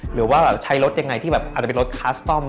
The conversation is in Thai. หรือว่าใช้รถยังไงที่แบบอาจจะเป็นรถคลาสตอม